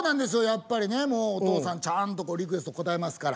やっぱりねもうお父さんちゃんとリクエスト応えますから。